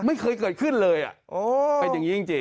ไม่เคยเกิดขึ้นเลยเป็นอย่างนี้จริง